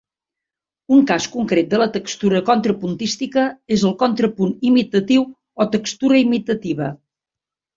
Un cas concret de la textura contrapuntística és el contrapunt imitatiu o textura imitativa.